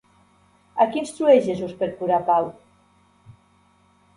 A qui instrueix Jesús per curar a Pau?